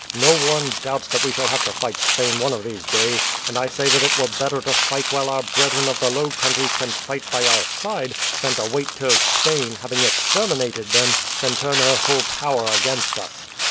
No one doubts that we shall have to fight Spain one of these days, and I say that it were better to fight while our brethren of the Low Countries can fight by our side, than to wait till Spain, having exterminated them, can turn her whole power against us."